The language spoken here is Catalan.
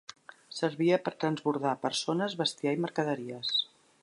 Servia per transbordar persones, bestiar i mercaderies.